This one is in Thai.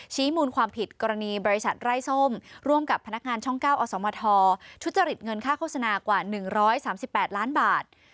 ชี้มูลความผิดกรณีบริษัทไร้ส้มร่วมกับพนักงานช่อง๙อสมททุจริตเงินค่าโฆษณากว่า๑๓๘ล้านบาท